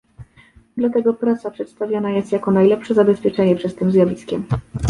Dlatego praca przedstawiana jest jako najlepsze zabezpieczenie przed tym zjawiskiem